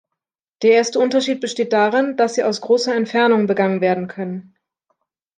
Der erste Unterschied besteht darin, dass sie aus großer Entfernung begangen werden können.